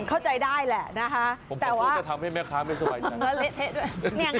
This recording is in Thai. เข้าใจได้แหละนะคะแต่ว่าผมขอโทษจะทำให้แม่ค้าไม่สบายจัง